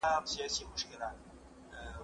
هغه څوک چي مېوې وچوي قوي وي!.